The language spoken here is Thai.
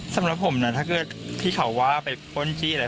สำหรับผมนะถ้าเกิดที่เขาว่าไปป้นจี้อะไร